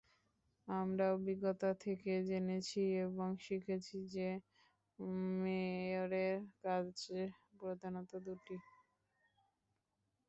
আমরা অভিজ্ঞতা থেকে জেনেছি এবং শিখেছি যে মেয়রের কাজ প্রধানত দুটি।